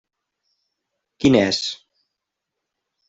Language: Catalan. Quin és?